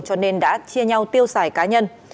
cho nên đã chia nhau tiêu xài cá nhân